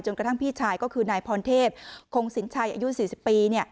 จนกระทั่งพี่ชายก็คือนายพรเทพคงสินชัยอายุสี่สิบปีเนี่ย